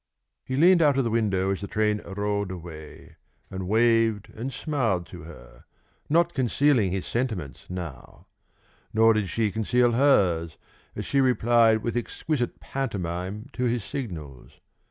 He leaned out of the window as the train rolled away, and waved and smiled to her, not concealing his sentiments now; nor did she conceal hers as she replied with exquisite pantomime to his signals.